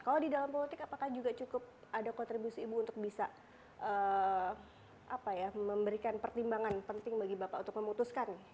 kalau di dalam politik apakah juga cukup ada kontribusi ibu untuk bisa memberikan pertimbangan penting bagi bapak untuk memutuskan